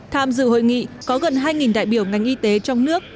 tham dự hội nghị có gần hai đại biểu ngành y tế trong nước